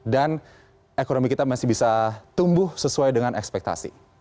dan ekonomi kita masih bisa tumbuh sesuai dengan ekspektasi